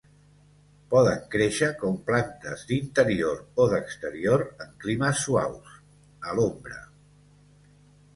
Poden créixer com plantes d'interior o d'exterior en climes suaus, a l'ombra.